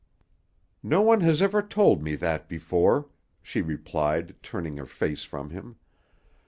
"No one has ever told me that before," she replied, turning her face from him.